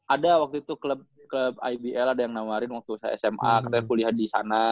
ada waktu itu klub ibl ada yang nawarin waktu sma kita kuliah disana